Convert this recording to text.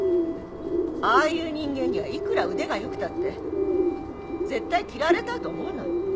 ああいう人間にはいくら腕がよくたって絶対切られたいと思わない